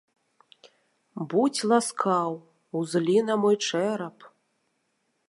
Будзь ласкаў, узлі на мой чэрап.